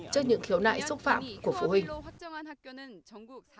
trước những khiếu nại xúc phạm của phụ huynh